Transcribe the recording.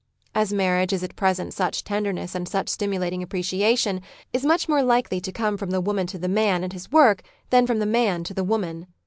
As marriage is at present such tenderness and such stimulating appreciation is much more likely to come from the woman to the man and his work than from the man to the woman.